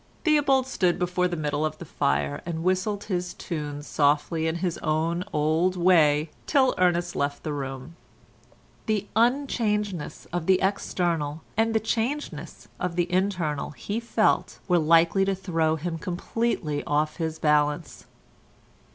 Theobald stood before the middle of the fire and whistled his two tunes softly in his own old way till Ernest left the room; the unchangedness of the external and changedness of the internal he felt were likely to throw him completely off his balance.